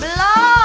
belom itu pas